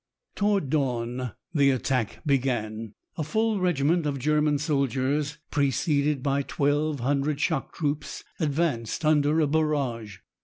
Toward dawn the attack began. A full regiment of German soldiers, preceded by 1,200 shock troops, advanced under a barrage.